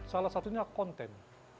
salah satunya konten